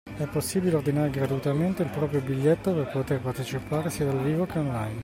E’ possibile ordinare gratuitamente il proprio biglietto per poter partecipare sia dal vivo che online.